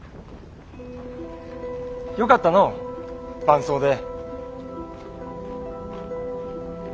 よかったのう伴奏で。